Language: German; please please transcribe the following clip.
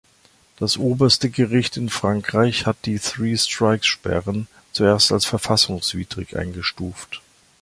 Das oberste Gericht in Frankreich hat die Three-Strikes-Sperren zuerst als verfassungswidrig eingestuft.